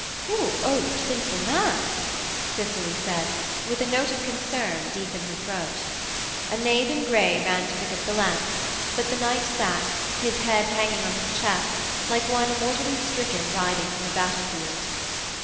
'Poor old sinful man!' Cicely said with a note of concern deep in her throat. A knave in grey ran to pick up the lance, but the knight sat, his head hanging on his chest, like one mortally stricken riding from a battlefield.